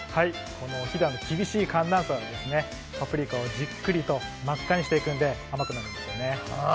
この飛騨の厳しい寒暖差でパプリカをしっかり真っ赤にしていくので、甘くなりますよね。